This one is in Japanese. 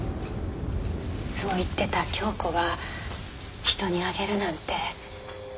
そう言ってた京子が人にあげるなんて。